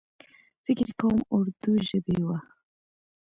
فکر کوم اردو ژبۍ و.